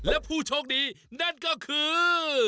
และผู้โชคดีนั่นก็คือ